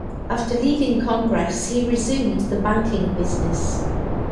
After leaving Congress, he resumed the banking business.